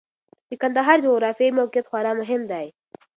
د کندهار جغرافیايي موقعیت خورا مهم دی.